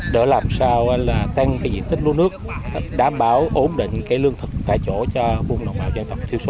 để làm sao tăng diện tích lúa nước đảm bảo ổn định lương thực tại chỗ cho vùng đồng bào dân tộc thiếu số